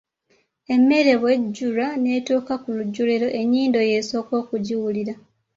Emmere bw'ejjulwa n'etuuka ku lujjuliro, ennyindo y'esooka okugiwulira.